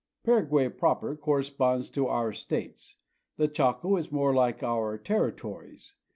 Paraguay proper corresponds to our States. The Chaco is more hke our Territories.